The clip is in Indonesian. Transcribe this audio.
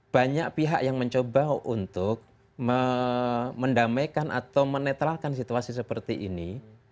banyak pihak yang mencoba untuk mendamaikan atau menetralkan situasi seperti ini